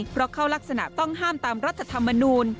เพราะเข้ารักษณะต้องห้ามตามรัฐธรรมนูล